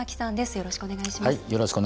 よろしくお願いします。